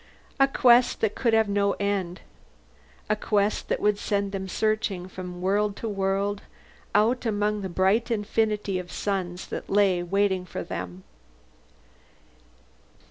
A quest that could have no end, a quest that would send them searching from world to world, out among the bright infinity of suns that lay waiting for them.